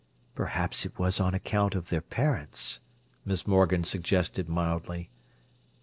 "Perhaps it was on account of their parents," Miss Morgan suggested mildly.